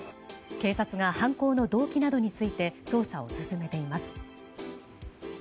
警察は犯行の動機などについて捜査を進めています。